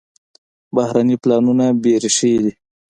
بهرني پلانونه بېریښې دي.